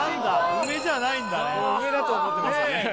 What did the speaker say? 梅だと思ってましたね。ねぇ！